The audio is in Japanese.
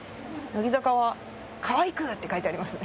乃木坂は「かわいくー！！」って書いてありますね。